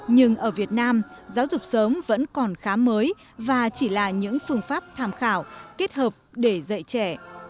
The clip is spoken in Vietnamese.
nhưng ở việt nam giáo dục sớm vẫn còn khá mới và chỉ là những phương pháp tham khảo kết hợp để dạy trẻ